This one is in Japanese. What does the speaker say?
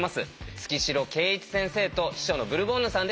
月城慶一先生と秘書のブルボンヌさんです。